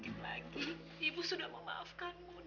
kemudian mu lakukan